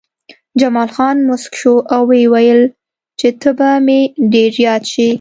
جمال خان موسک شو او وویل چې ته به مې ډېر یاد شې